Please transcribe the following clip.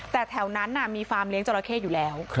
แต่แถวนั้นมีฟาร์มเลี้ยจราเข้อยู่แล้ว